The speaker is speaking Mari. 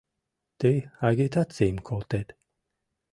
— Тый агитацийым колтет.